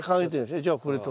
じゃあこれと。